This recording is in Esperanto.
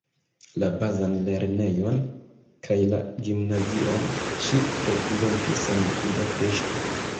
La bazan lernejon kaj la gimnazion ŝi frekventis en Budapeŝto.